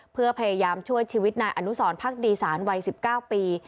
เพื่อพยายามช่วยชีวิตนายอนุสรพักดีสารวัย๑๙ปี